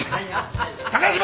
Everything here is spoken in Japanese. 高島！